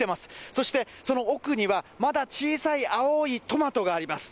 そして、その奥には、まだ小さい青いトマトがあります。